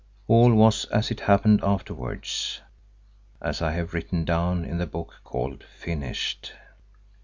All was as it happened afterwards, as I have written down in the book called "Finished."